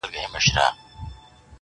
د دانو په اړولو کي سو ستړی-